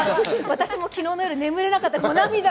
私も昨日の夜、眠れなかったです。